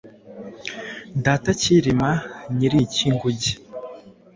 Data Cyilima Nyir-icy-inguge